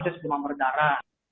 itu sebuah meredara